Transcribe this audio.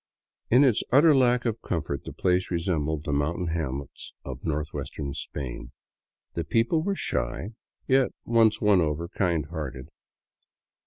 In its utter lack of comfort the place resembled the moun tain hamlets of northwestern Spain. The people were shy, yet, once won over, kind hearted.